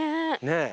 ねえ。